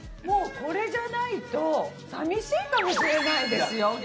もうこれじゃないと寂しいかもしれないですよ